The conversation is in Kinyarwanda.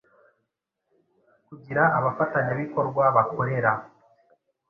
kugira abafatanyabikorwa bakorera